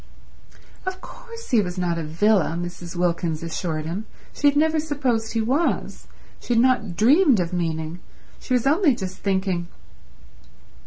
Of course he was not a villa, Mrs. Wilkins assured him; she had never supposed he was; she had not dreamed of meaning ... she was only just thinking